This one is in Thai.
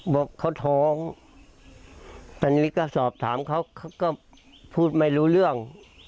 บอกเขาท้องตอนนี้ก็สอบถามเขาก็พูดไม่รู้เรื่อง